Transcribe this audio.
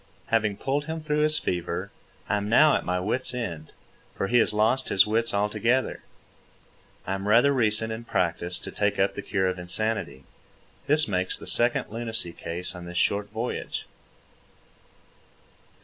Having pulled him through his fever, I am now at my wit's end, for he has lost his wits altogether. I am rather recent in practice to take up the cure of insanity. This makes the second lunacy case on this short voyage.